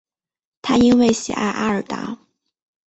他因为喜爱阿尔达。